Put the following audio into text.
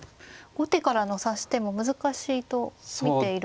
後手からの指し手も難しいと見ているんですか。